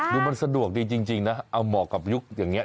ดูมันสะดวกดีจริงนะเอาเหมาะกับยุคอย่างนี้